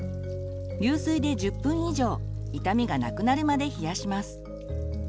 流水で１０分以上痛みが無くなるまで冷やします。